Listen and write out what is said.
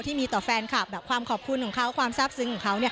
ที่มีต่อแฟนคลับแบบความขอบคุณของเขาความทราบซึ้งของเขา